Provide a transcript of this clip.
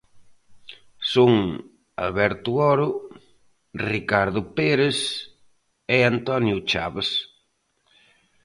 Son Alberto Oro, Ricardo Pérez e Antonio Chaves.